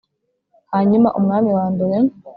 Hanyuma umwami wa mbere